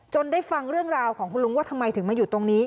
ได้ฟังเรื่องราวของคุณลุงว่าทำไมถึงมาอยู่ตรงนี้